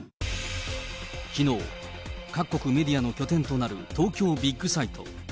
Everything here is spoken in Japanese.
きのう、各国メディアの拠点となる東京ビッグサイト。